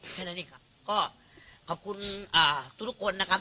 แค่นั้นหนึ่งครับก็ขอบคุณอ่าทุกทุกคนนะครับ